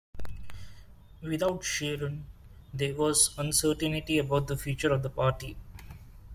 Without Sharon, there was uncertainty about the future of the party.